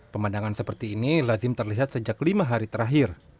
pemandangan seperti ini lazim terlihat sejak lima hari terakhir